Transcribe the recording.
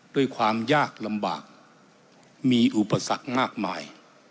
ด้วยความยากลำบากมีอุปสรรคมากมาย